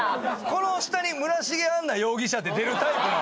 この下に「村重杏奈容疑者」って出るタイプの。